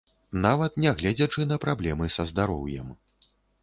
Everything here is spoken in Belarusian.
Нават нягледзячы на праблемы са здароўем.